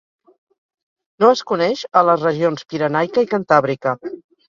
No es coneix a les regions Pirenaica i Cantàbrica.